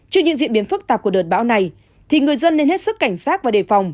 trước những diễn biến phức tạp của đợt bão này thì người dân nên hết sức cảnh sát và đề phòng